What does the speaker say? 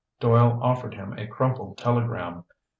Doyle offered him a crumpled telegram.